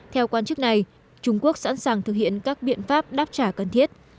theo quan chức này trung quốc sẵn sàng thực hiện các biện pháp đáp trả cần thiết